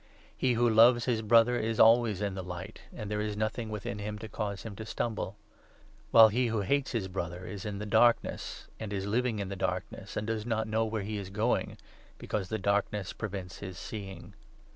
He who loves his 10 Brother is always in the Light, and there is nothing within him to cause him to stumble ; while he who hates his Brother 1 1 is in the Darkness, and is living in the Darkness, and does not know where he is going, because the Darkness prevents his seeing.